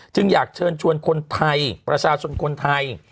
จึงอยากเชิญชวนคนไทย